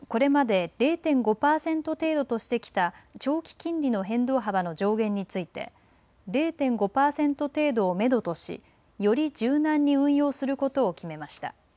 これまで０．５パーセント程度としてきた長期金利の変動幅の上限について０．５パーセント程度をめどとしより柔軟に運用することを決めました。